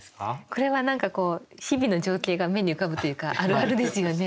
これは何かこう日々の情景が目に浮かぶというかあるあるですよね。